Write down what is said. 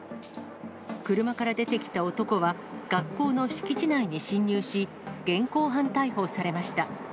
車から出てきた男は、学校の敷地内に侵入し、現行犯逮捕されました。